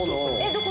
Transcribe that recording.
どこ？